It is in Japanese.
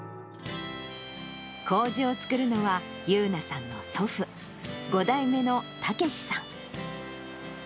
こうじを造るのは、優奈さんの祖父、５代目の猛さん。